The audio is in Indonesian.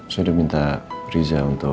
saya udah minta riza